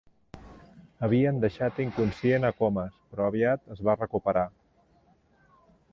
Havien deixat inconscient a Comas, però aviat es va recuperar.